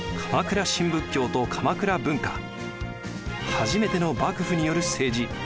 初めての幕府による政治。